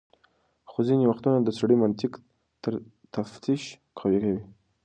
خو ځینې وختونه د سړي منطق تر تفتيش قوي وي.